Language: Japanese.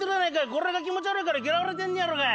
これが気持ち悪いから嫌われてんのやろがい。